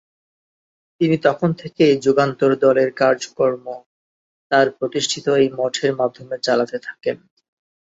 তিনি তখন থেকেই যুগান্তর দলের কাজকর্ম তার প্রতিষ্ঠিত এই মঠের মাধ্যমে চালাতে থাকেন।